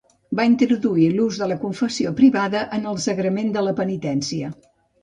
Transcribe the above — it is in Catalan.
Va introduir l'ús de la confessió privada en el sagrament de la penitència.